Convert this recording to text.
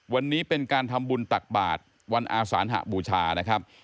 วันนี้เป็นการทำบุญตักบาทวันอาสานหบูชานะครับ